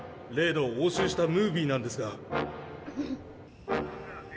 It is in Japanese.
例の押収したムービーなんですが。